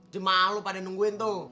jemaah lo pada nungguin tuh